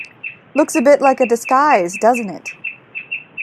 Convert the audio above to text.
Looks a bit like a disguise, doesn't it?